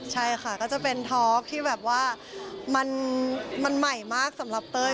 ใช่ค่ะก็จะเป็นทอล์กที่แบบว่ามันใหม่มากสำหรับเต้ย